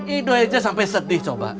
ido aja sampai sedih coba